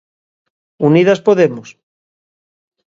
Unidas Podemos?